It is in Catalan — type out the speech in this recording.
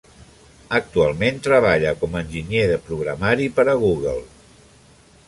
Actualment treballa com a enginyer de programari per a Google.